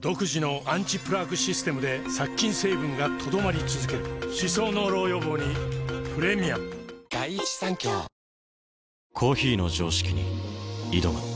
独自のアンチプラークシステムで殺菌成分が留まり続ける歯槽膿漏予防にプレミアム新しい「伊右衛門」